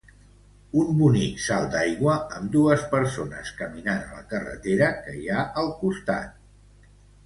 Una bonic salt d'aigua amb dues persones caminant a la carretera que hi ha al costat.